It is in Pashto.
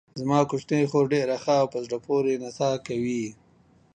زما کوچنۍ خور ډېره ښه او په زړه پورې نڅا کوي.